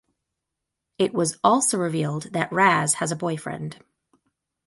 It was also revealed that Raz has a boyfriend.